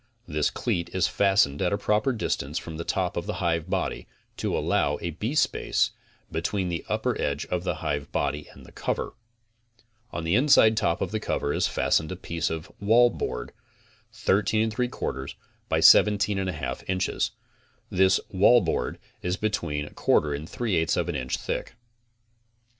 This cleat is fastened at a proper distance from the top of the hive body to allow a beespace between the upper edge of the hive body and the cover. On the inside top of the cover is fastened a piece of "wall board," 13 3 4 by 17 1 2 inches. This "wall board" is between 1 4 and 3 8 of an inch 'thick.